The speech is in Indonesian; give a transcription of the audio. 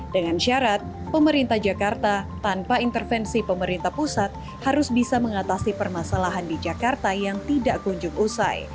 dengan syarat pemerintah jakarta tanpa intervensi pemerintah pusat harus bisa mengatasi permasalahan di jakarta yang tidak kunjung usai